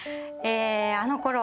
「あのころ。